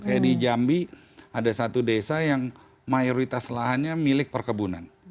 kayak di jambi ada satu desa yang mayoritas lahannya milik perkebunan